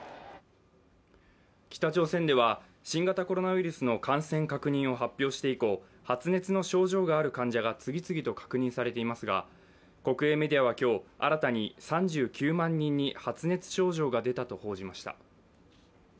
北朝鮮では新型コロナウイルスの感染確認を発表して以降、発熱の症状がある患者が次々と確認されていますが、国営メディアは今日、新たに３９万人に発熱症状が出たと報じました。